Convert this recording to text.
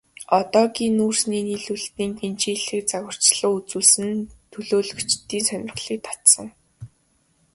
Одоогийн нүүрсний нийлүүлэлтийн гинжин хэлхээг загварчлан үзүүлсэн нь төлөөлөгчдийн сонирхлыг татсан.